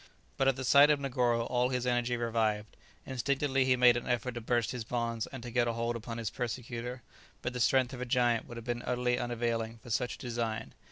But at the sight of Negoro all his energy revived; instinctively he made an effort to burst his bonds, and to get a hold upon his persecutor; but the strength of a giant would have been utterly unavailing for such a design.